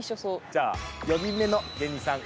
じゃあ４人目の芸人さん